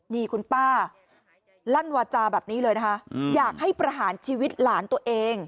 นี่คุณป้าลั่นวาจาแบบนี้เลยนะคะอยากให้ประหารชีวิตหลานตัวเอง